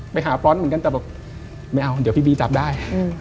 ไปหาฟรอนต์เหมือนกันแต่บอกไม่เอาเดี๋ยวพี่บีจับได้